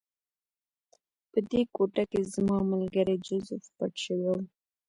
په دې کوټه کې زما ملګری جوزف پټ شوی و